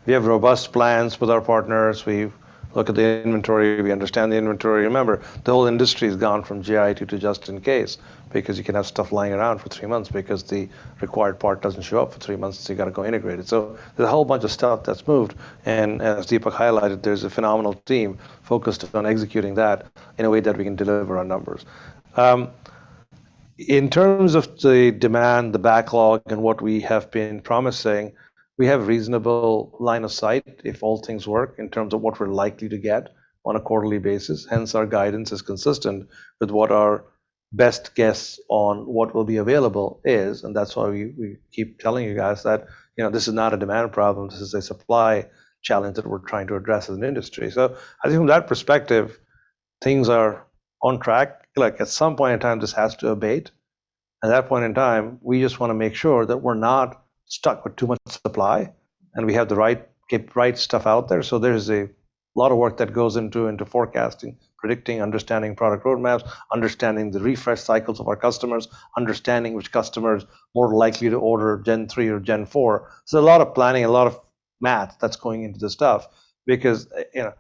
We have robust plans with our partners. We look at the inventory, we understand the inventory. Remember, the whole industry has gone from JIT to just in case, because you can have stuff lying around for three months because the required part doesn't show up for three months, so you got to go integrate it. There's a whole bunch of stuff that's moved. As Dipak highlighted, there's a phenomenal team focused on executing that in a way that we can deliver our numbers. In terms of the demand, the backlog, and what we have been promising, we have reasonable line of sight if all things work in terms of what we're likely to get on a quarterly basis. Hence, our guidance is consistent with what our best guess on what will be available is, and that's why we keep telling you guys that, you know, this is not a demand problem, this is a supply challenge that we're trying to address as an industry. I think from that perspective, things are on track. Like, at some point in time, this has to abate. At that point in time, we just want to make sure that we're not stuck with too much supply, and we get the right stuff out there. There's a lot of work that goes into forecasting, predicting, understanding product roadmaps, understanding the refresh cycles of our customers, understanding which customer is more likely to order Gen 3 or Gen 4. There's a lot of planning, a lot of math that's going into this stuff because, you know,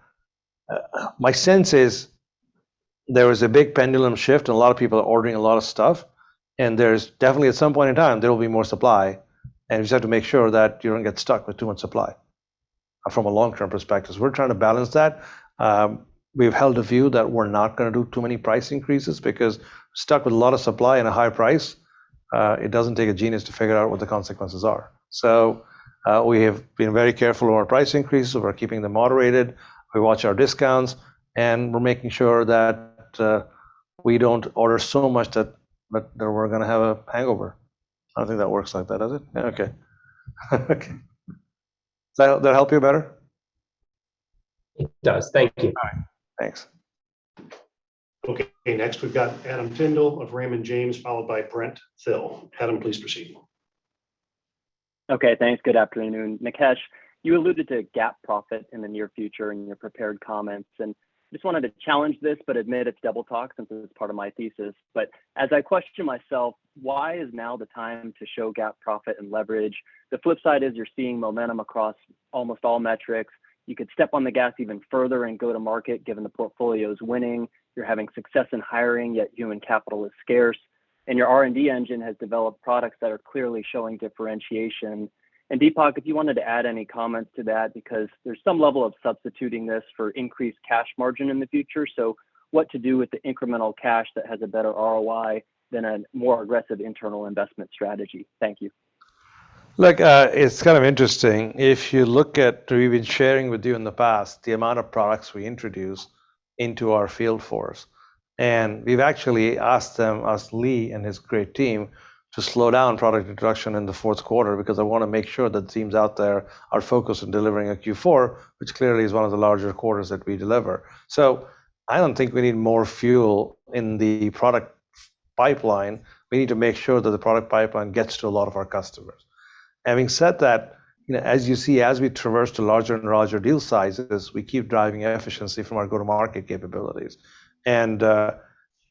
my sense is there is a big pendulum shift, and a lot of people are ordering a lot of stuff, and there's definitely at some point in time, there will be more supply. We just have to make sure that you don't get stuck with too much supply from a long-term perspective. We're trying to balance that. We've held a view that we're not going to do too many price increases because stuck with a lot of supply and a high price, it doesn't take a genius to figure out what the consequences are. We have been very careful of our price increases. We're keeping them moderated. We watch our discounts, and we're making sure that we don't order so much that we're going to have a hangover. I don't think that works like that, does it? Okay. Does that help you better? It does. Thank you. All right. Thanks. Okay. Next we've got Adam Tindle of Raymond James, followed by Brent Thill. Adam, please proceed. Okay, thanks. Good afternoon. Nikesh, you alluded to GAAP profit in the near future in your prepared comments, and just wanted to challenge this but admit it's double talk since it's part of my thesis. As I question myself why is now the time to show GAAP profit and leverage, the flip side is you're seeing momentum across almost all metrics. You could step on the gas even further and go to market given the portfolio is winning. You're having success in hiring, yet human capital is scarce, and your R&D engine has developed products that are clearly showing differentiation. Dipak, if you wanted to add any comments to that because there's some level of substituting this for increased cash margin in the future. What to do with the incremental cash that has a better ROI than a more aggressive internal investment strategy. Thank you. Look, it's kind of interesting. If you look at we've been sharing with you in the past the amount of products we introduce into our field force, and we've actually asked them, asked Lee and his great team to slow down product introduction in the fourth quarter because I want to make sure that teams out there are focused on delivering a Q4, which clearly is one of the larger quarters that we deliver. I don't think we need more fuel in the product pipeline. We need to make sure that the product pipeline gets to a lot of our customers. Having said that, you know, as you see, as we traverse to larger and larger deal sizes, we keep driving efficiency from our go-to-market capabilities.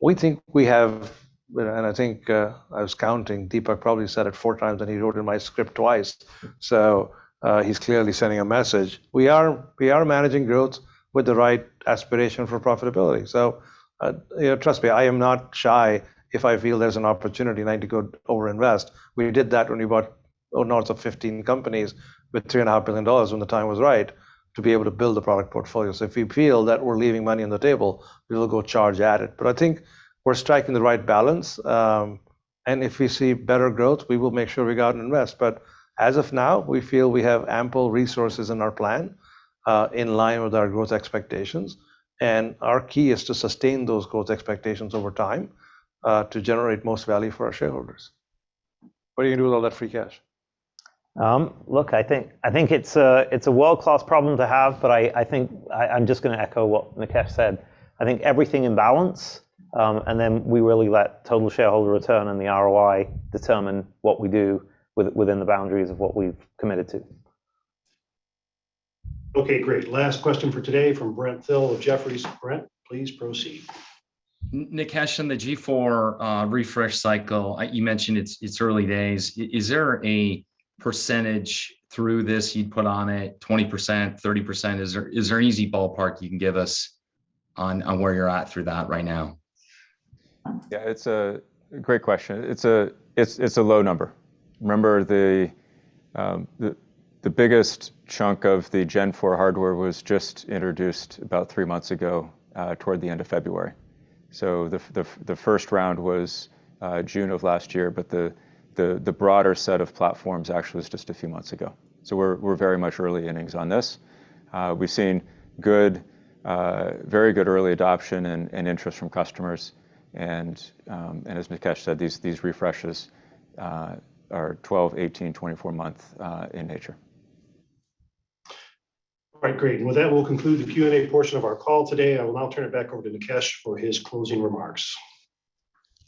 We think we have, and I think I was counting. Dipak probably said it 4x, and he wrote in my script twice. He's clearly sending a message. We are managing growth with the right aspiration for profitability. You know, trust me, I am not shy if I feel there's an opportunity and I need to go over-invest. We did that when we bought, oh, north of 15 companies with $3.5 billion when the time was right to be able to build a product portfolio. If we feel that we're leaving money on the table, we will go charge at it. But I think we're striking the right balance. If we see better growth, we will make sure we go out and invest. As of now, we feel we have ample resources in our plan, in line with our growth expectations, and our key is to sustain those growth expectations over time, to generate most value for our shareholders. What are you gonna do with all that free cash? Look, I think it's a world-class problem to have, but I think I'm just gonna echo what Nikesh said. I think everything in balance, and then we really let total shareholder return and the ROI determine what we do within the boundaries of what we've committed to. Okay, great. Last question for today from Brent Thill of Jefferies. Brent, please proceed. Nikesh, on the G4 refresh cycle, you mentioned it's early days. Is there a percentage through this you'd put on it? 20%, 30%? Is there an easy ballpark you can give us on where you're at through that right now? Yeah, it's a great question. It's a low number. Remember, the biggest chunk of the Gen 4 hardware was just introduced about three months ago, toward the end of February. The first round was June of last year, but the broader set of platforms actually was just a few months ago. We're very much early innings on this. We've seen good, very good early adoption and interest from customers. As Nikesh said, these refreshes are 12-, 18-, 24-month in nature. All right, great. With that, we'll conclude the Q and A portion of our call today. I will now turn it back over to Nikesh for his closing remarks.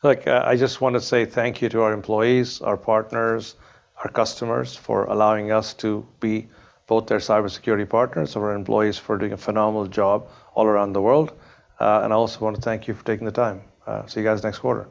Look, I just wanna say thank you to our employees, our partners, our customers for allowing us to be both their cybersecurity partners, to our employees for doing a phenomenal job all around the world. I also want to thank you for taking the time. See you guys next quarter.